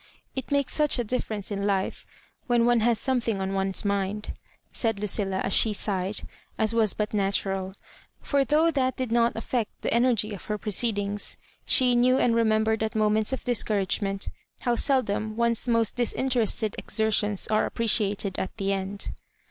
"It makes such a difference in life when one has somethipg on one's mind," said Lucilla, and she sighed, as was but natural ; for though that did not affect the energy of her proceedings, she knew and remem bered ^^oments of discouragement how seldom one's most disinterested exertions are appreciated at the end.